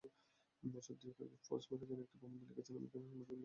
বছর দুয়েক আগে ফোর্বস ম্যাগাজিনে একটি প্রবন্ধ লিখেছেন আমেরিকান সাংবাদিক মেলিক কোলন।